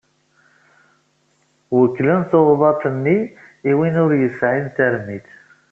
Wekklen tuɣdaḍt-nni i win ur yesɛin tarmit.